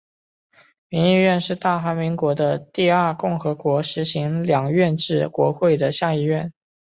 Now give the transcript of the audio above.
民议院是大韩民国的第二共和国实行两院制国会的下议院。